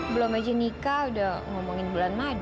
belum aja nikah udah ngomongin bulan madu